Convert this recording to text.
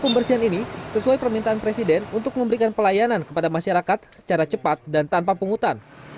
pembersihan ini sesuai permintaan presiden untuk memberikan pelayanan kepada masyarakat secara cepat dan tanpa penghutan